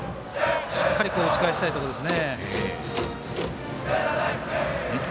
しっかり打ち返したいところです。